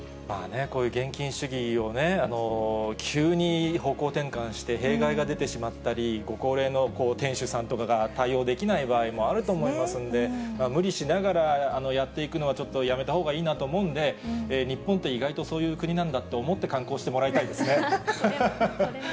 こういう現金主義を急に方向転換して、弊害が出てしまったり、ご高齢の店主さんとかが対応できない場合もあると思いますんで、無理しながらやっていくのは、ちょっとやめたほうがいいと思うんで、日本って意外とそういう国なんだと思って観光してもらいたいですね。